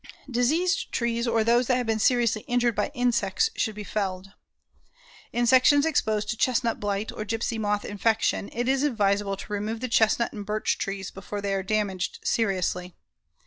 Diseased trees or those that have been seriously injured by insects should be felled. In sections exposed to chestnut blight or gypsy moth infection, it is advisable to remove the chestnut and birch trees before they are damaged seriously.